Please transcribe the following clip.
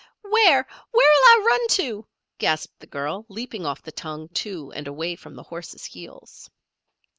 "Where, where'll I run to?" gasped the girl, leaping off the tongue, too, and away from the horses' heels.